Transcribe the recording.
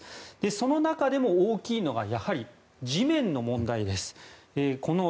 その中でも大きいのが地面の問題です。